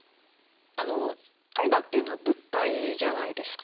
あの絵画っていうのは物体じゃないですか。